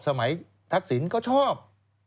สมัยทักศิลป์ก็ชอบ